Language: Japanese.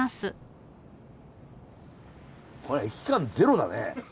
これは駅感ゼロだね。